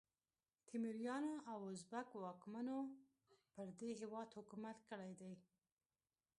تیموریانو او ازبک واکمنو پر دې هیواد حکومت کړی دی.